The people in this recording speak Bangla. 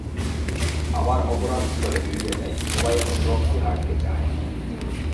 আবার অপরাধস্থলে ফিরে যাই, সবাই এখন রক্সি হার্টকে চায়।